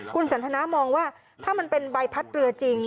คุณสันทนามองว่าถ้ามันเป็นใบพัดเรือจริง